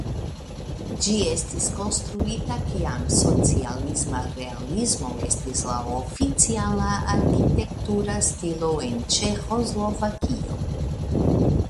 Ĝi estis konstruita kiam socialisma realismo estis la oficiala arkitektura stilo en Ĉeĥoslovakio.